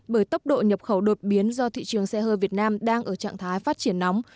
bởi tốc độ nhập khẩu đột biến do thị trường xe hơi việt nam đang ở trạng thái phát triển nóng